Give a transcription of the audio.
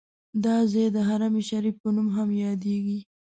دا ځای د حرم شریف په نوم هم یادیږي.